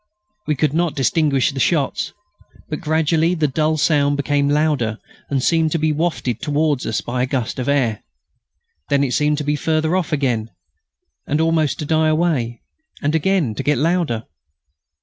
We could not distinguish the shots, but gradually the dull sound became louder and seemed to be wafted towards us by a gust of air. Then it seemed to be further off again, and almost to die away, and again to get louder.